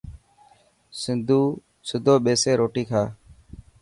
سڌو ٻيسي روٽي کا.